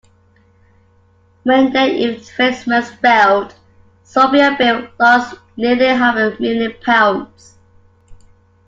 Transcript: When their investments failed, Sophie and Bill lost nearly half a million pounds